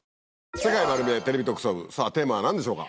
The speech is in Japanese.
『世界まる見え！テレビ特捜部』さぁテーマは何でしょうか？